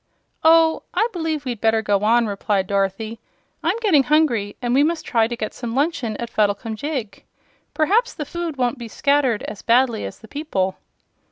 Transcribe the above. "Oh, I b'lieve we'd better go on," replied Dorothy. "I'm getting hungry, and we must try to get some luncheon at Fuddlecumjig. Perhaps the food won't be scattered as badly as the people."